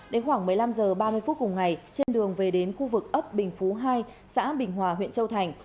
đến khoảng một mươi năm h ba mươi phút cùng ngày trên đường về đến khu vực ấp bình phú hai xã bình hòa huyện châu thành